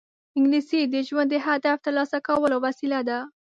انګلیسي د ژوند د هدف ترلاسه کولو وسیله ده